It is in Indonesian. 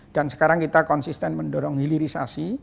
dan sekarang kita konsisten mendorong hilirisasi